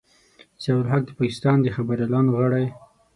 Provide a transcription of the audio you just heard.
ضیا الحق د پاکستان د خبریالانو غړی.